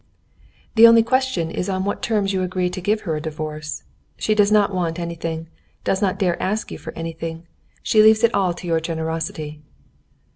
"The only question is on what terms you agree to give her a divorce. She does not want anything, does not dare ask you for anything, she leaves it all to your generosity."